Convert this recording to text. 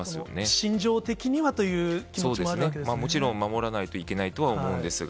心情的にはという気持ちもあもちろん、守らないといけないとは思うんですが。